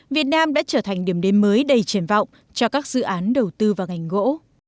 việt nam đã trở thành điểm đến mới đầy triển vọng cho các dự án đầu tư vào ngành gỗ